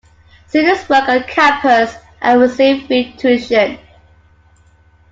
Students work on campus and receive free tuition.